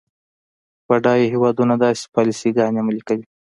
بډایه هیوادونه داسې پالیسي ګانې عملي کوي.